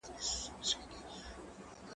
منډه د لوبغاړي لخوا وهل کېږي؟!